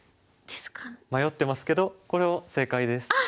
迷ってますけどこれも正解です。